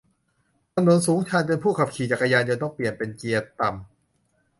ถนนสูงชันจนผู้ขับขี่จักรยานยนต์ต้องเปลี่ยนเป็นเกียร์ต่ำ